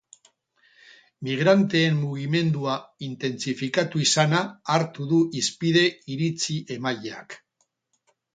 Migranteen mugimendua intentsifikatu izana hartu du hizpide iritzi-emaileak.